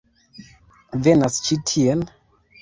Venas ĉi tien!